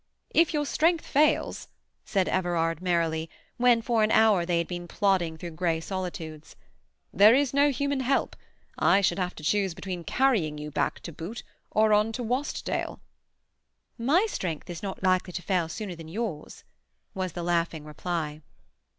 "If your strength fails," said Everard merrily, when for an hour they had been plodding through grey solitudes, "there is no human help. I should have to choose between carrying you back to Boot or on to Wastdale." "My strength is not likely to fail sooner than yours," was the laughing reply.